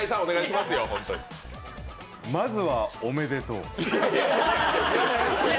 まずはおめでとう。